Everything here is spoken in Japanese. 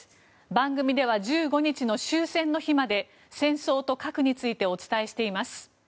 番組では１５日の終戦の日まで戦争と核についてお伝えしています。